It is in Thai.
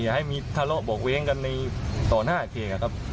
อยากให้มีทะเลาะบอกไว้ให้กันในต่อหน้าเขกครับ